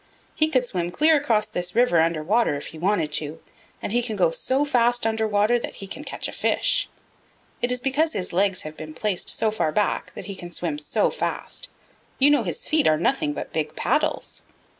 He could swim clear across this river under water if he wanted to, and he can go so fast under water that he can catch a fish. It is because his legs have been placed so far back that he can swim so fast. You know his feet are nothing but big paddles.